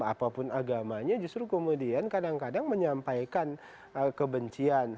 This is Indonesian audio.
apapun agamanya justru kemudian kadang kadang menyampaikan kebencian